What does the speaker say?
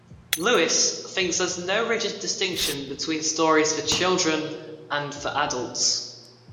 Lewis, thinks there is no rigid distinction between stories for children and for adults.